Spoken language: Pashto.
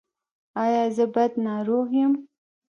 ایا زه بد ناروغ یم؟